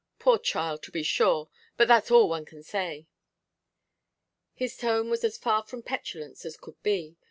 Poor child, to be sure; but that's all one can say.' His tone was as far from petulance as could be.